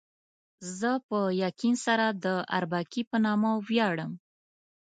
زه په یقین سره د اربکي په نامه ویاړم.